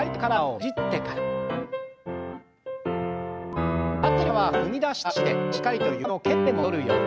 立ってる方は踏み出した脚でしっかりと床面を蹴って戻るように。